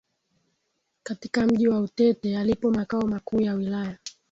katika Mji wa Utete yalipo Makao Makuu ya wilaya